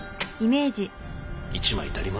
１枚足りませんよ